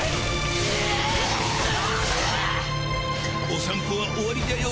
お散歩は終わりじゃよ。